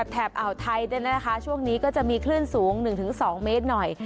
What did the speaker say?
แถบอ่าวไทยได้นะคะช่วงนี้ก็จะมีคลื่นสูง๑๒เมตรหน่อย